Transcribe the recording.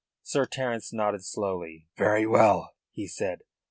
Sir Terence nodded slowly. "Very well," he said.